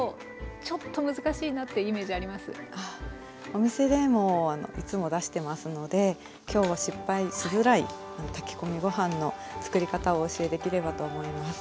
お店でもいつも出してますので今日は失敗しづらい炊き込みご飯の作り方をお教えできればと思います。